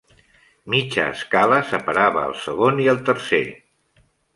Mitja escala separava el segon i el tercer.